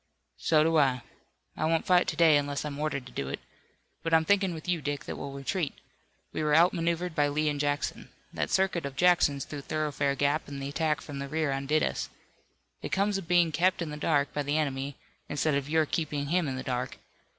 "So do I. I won't fight to day, unless I'm ordered to do it. But I'm thinking with you, Dick, that we'll retreat. We were outmaneuvered by Lee and Jackson. That circuit of Jackson's through Thoroughfare Gap and the attack from the rear undid us. It comes of being kept in the dark by the enemy, instead of your keeping him in the dark.